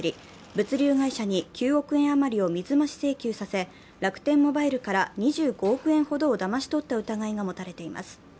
物流会社に９億円あまりを水増し請求させ楽天モバイルから２５億円ほどをだまし取った疑いが持たれています。